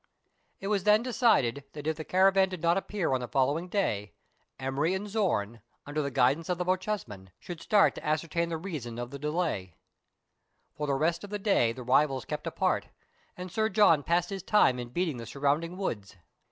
It was then decided that if the caravan did not appear on the following day, Emery and Zorn, under the guidance of the Bochjesman, should start to ascertain the reason of the H 98 MERIDIANA; THE ADVENTURES OF delay. For the rest of the day the rivals kept apart, and Sir John passed his time in beating the surrounding woods.